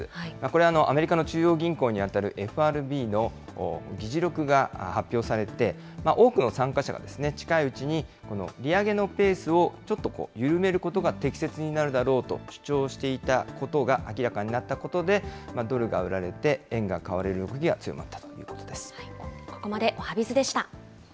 これはアメリカの中央銀行に当たるＦＲＢの議事録が発表されて、多くの参加者が近いうちにこの利上げのペースをちょっと緩めることが適切になるだろうと主張していたことが明らかになったことで、ドルが売られて円が買われる動きが強まったということです。